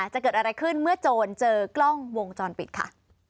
จะเกิดอะไรขึ้นเมื่อโจรเจอกล้องวงจรปิดค่ะ